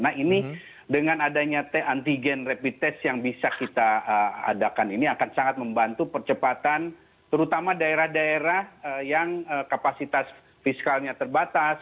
nah ini dengan adanya antigen rapid test yang bisa kita adakan ini akan sangat membantu percepatan terutama daerah daerah yang kapasitas fiskalnya terbatas